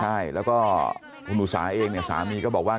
ใช่แล้วก็คุณอุสาเองเนี่ยสามีก็บอกว่า